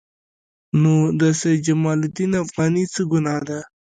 نو د سید جمال الدین افغاني څه ګناه ده.